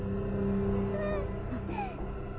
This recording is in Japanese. うん